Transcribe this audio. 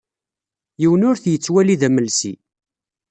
Yiwen ur t-yettwali d amelsi.